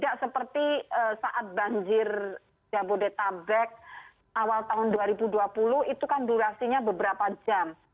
jadi saat banjir jabodetabek awal tahun dua ribu dua puluh itu kan durasinya beberapa jam